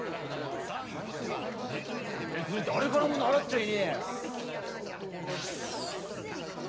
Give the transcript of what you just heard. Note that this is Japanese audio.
別に誰からも習っちゃいねえよ。